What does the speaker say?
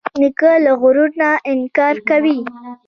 نیکه له غرور نه انکار کوي.